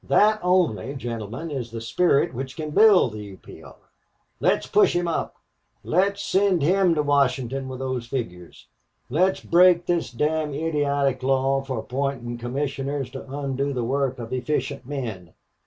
That only, gentlemen, is the spirit which can build the U. P. R. Let's push him up. Let's send him to Washington with those figures. Let's break this damned idiotic law for appointing commissioners to undo the work of efficient men."